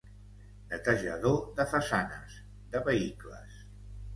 Netejador de façanes, de vehicles.